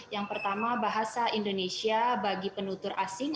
yang pertama bahasa indonesia bagi penutur asing